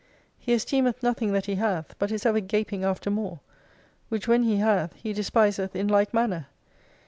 He esteemeth nothing that he hath, but is ever gaping after more : which when he hath he despiseth in like manner.